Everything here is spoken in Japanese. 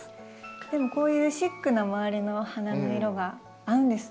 でもこういうシックな周りの花の色が合うんですね。